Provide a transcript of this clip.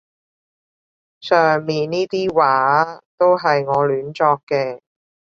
上面呢啲話都係我亂作嘅